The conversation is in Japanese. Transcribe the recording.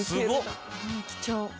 貴重。